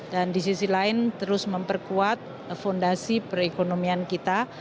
dan di sisi lain terus memperkuat fondasi perekonomian kita